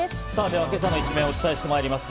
では今朝の一面をお伝えしてまいります。